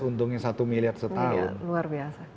untungnya satu miliar setahun